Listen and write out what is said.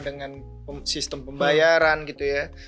dengan sistem pembayaran gitu ya